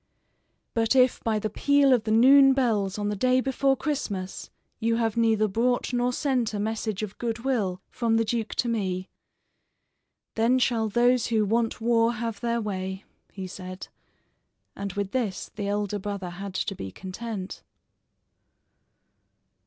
"But if by the peal of the noon bells on the day before Christmas you have neither brought nor sent a message of good will from the duke to me, then shall those who want war have their way," he said, and with this the elder brother had to be content.